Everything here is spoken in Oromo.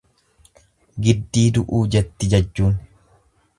Giddii du'uu jetti jajjuun.